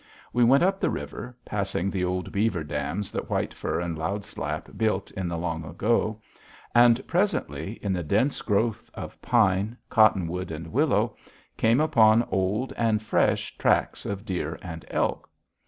We went up the river, passing the old beaver dams that White Fur and Loud Slap built in the long ago, and presently, in the dense growth of pine, cottonwood, and willow, came upon old and fresh tracks of deer and elk.